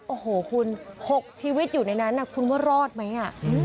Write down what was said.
โอ้โหคุณ๖ชีวิตอยู่ในนั้นคุณว่ารอดไหม